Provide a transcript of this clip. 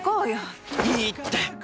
いいって！